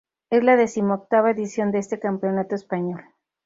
Es la decimoctava edición de este campeonato español.